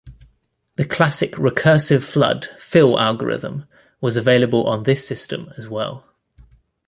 The classic recursive flood fill algorithm was available on this system as well.